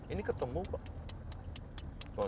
ini ketemu pak